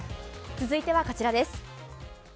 続いてはこちらです。